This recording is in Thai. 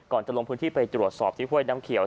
จะลงพื้นที่ไปตรวจสอบที่ห้วยน้ำเขียว